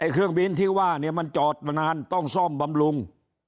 เครื่องบินที่ว่ามันจอดมานานต้องซ่อมบำรุง